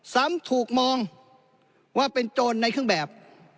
ซ้ำถูกมองว่าเป็นโจรในเครื่องแบบ